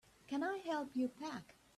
Can I help you pack?